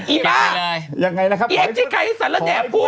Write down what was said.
อีบ้าอย่างไรละครับอีแอ็กชิไคนขายสัลและแหน่พูด